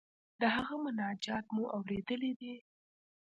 د هغه مناجات مو اوریدلی دی.